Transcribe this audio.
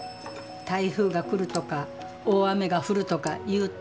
台風が来るとか大雨が降るとかいうと